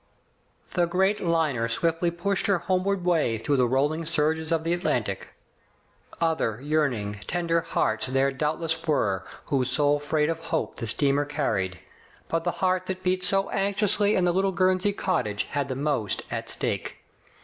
The great liner swiftly pushed her homeward way through the rolling surges of the Atlantic. Other yearning, tender hearts there doubtless were whose sole freight of hope the steamer car ried ; but the heart that beat so anxiously in the little Guernsey cottage had the most at stake.